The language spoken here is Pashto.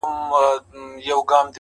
چي تابه وكړې راته ښې خبري.